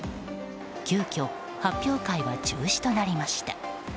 急きょ発表会は中止となりました。